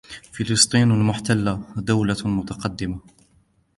فلسطين المحتله دوله متقدمه